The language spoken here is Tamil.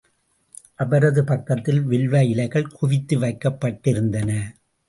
அவரது பக்கத்தில் வில்வ இலைகள் குவித்து வைக்கப்பட்டிருந்தன.